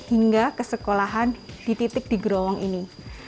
hingga ke sekolahan di titik di gerowong ini